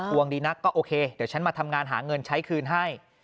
วงดีนักก็โอเคเดี๋ยวฉันมาทำงานหาเงินใช้คืนให้